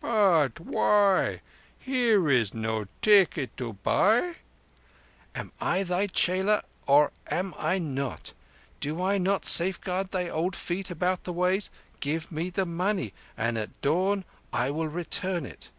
"But why? Here is no ticket to buy." "Am I thy chela, or am I not? Do I not safeguard thy old feet about the ways? Give me the money and at dawn I will return it."